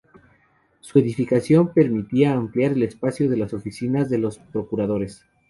Su edificación permitía ampliar el espacio de las oficinas de los Procuradores.